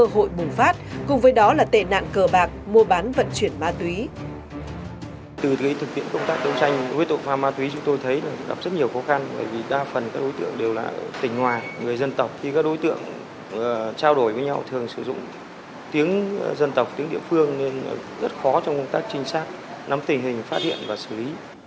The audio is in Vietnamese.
hội bùng phát cùng với đó là tệ nạn cờ bạc mua bán vận chuyển ma túy